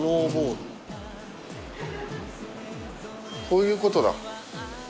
こういうことだ。